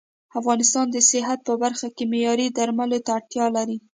افغانستان د صحت په برخه کې معياري درملو ته اړتيا لري